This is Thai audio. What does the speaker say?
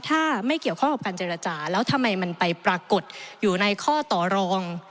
ถ้าไม่เกี่ยวข้องกับการเจรจาแล้วทำไมมันไปปรากฏอยู่ในข้อต่อรอง